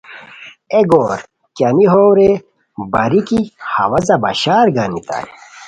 اے گور کیانی ہوؤ رے باریکی ہوازا بشار گانیتا ئے